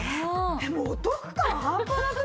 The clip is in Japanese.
もうお得感ハンパなくない？